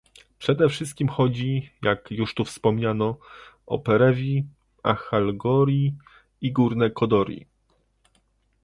Przede wszystkim chodzi, jak już tu wspomniano, o Perewi, Achalgori i Górne Kodori